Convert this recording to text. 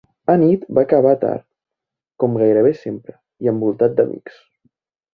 Anit va acabar tard, com gairebé sempre, i envoltat d'amics.